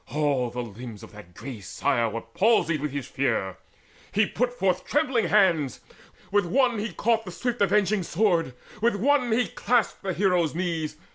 All the limbs Of that grey sire were palsied with his fear: He put forth trembling hands, with one he caught The swift avenging sword, with one he clasped The hero's knees.